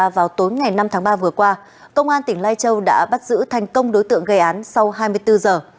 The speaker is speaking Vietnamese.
vào tối ngày năm tháng ba vừa qua công an tỉnh lai châu đã bắt giữ thành công đối tượng gây án sau hai mươi bốn giờ